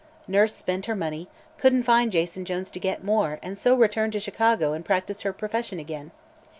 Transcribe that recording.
Nurse spent her money, couldn't find Jason Jones to get more, and so returned to Chicago and practiced her profession again.